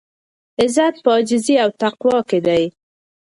عزت په عاجزۍ او تقوا کې دی.